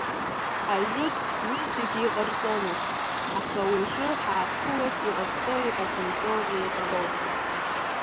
Ажәытә уи зегьы иҟарҵон ус, аха уажәы ҳаазқәылаз иҟазҵои иҟазымҵои еиҟароуп.